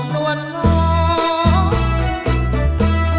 น้วนเลิก